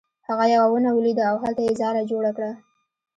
هغه یوه ونه ولیده او هلته یې ځاله جوړه کړه.